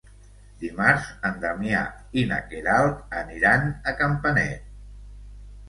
Dimarts en Damià i na Queralt aniran a Campanet.